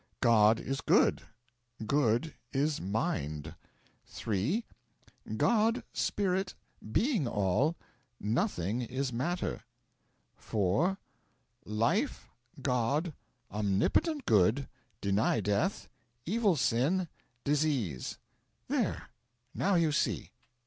God is good. Good is Mind. 3. God, Spirit, being all, nothing is matter. 4. Life, God, omnipotent Good, deny death, evil sin, disease. There now you see.'